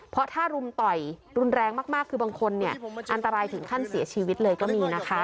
เพราะถ้ารุมต่อยรุนแรงมากคือบางคนอันตรายถึงขั้นเสียชีวิตเลยก็มีนะคะ